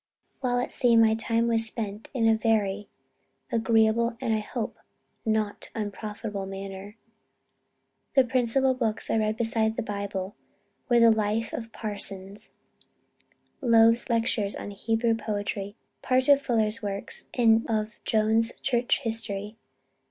"While at sea, my time was spent in a very agreeable, and I hope not unprofitable manner.... The principal books I read besides the Bible, were the life of Parsons, Lowth's lectures on Hebrew poetry, part of Fuller's works, and of Jones' Church History.